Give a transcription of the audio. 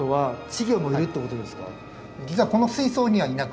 実はこの水槽にはいなくて。